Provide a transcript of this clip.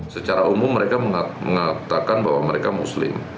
secara umum mereka mengatakan bahwa mereka muslim